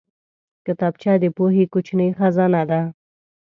کتابچه د پوهې کوچنۍ خزانه ده